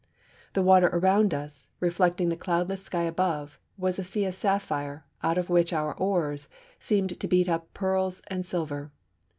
The water around us, reflecting the cloudless sky above, was a sea of sapphire, out of which our oars seemed to beat up pearls and silver.